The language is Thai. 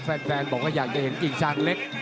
แฟนบอกว่าอยากจะเห็นกิ่งซางเล็ก